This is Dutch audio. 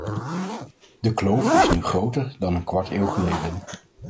De kloof is nu groter dan een kwart eeuw geleden.